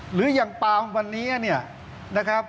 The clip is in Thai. หรืออย่างปามวันนี้เนี่ยนะครับ